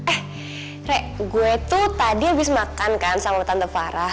eh rek gue itu tadi habis makan kan sama tante farah